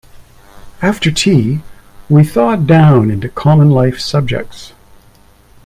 After tea we thawed down into common-life subjects.